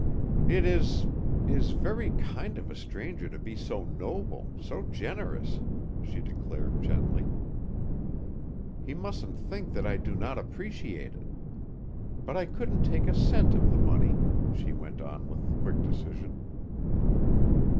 "It is is very kind of a stranger to be so noble, so generous," she declared gently. "He mustn't think that I do not appreciate it. But I couldn't take a cent of the money," she went on with quick decision.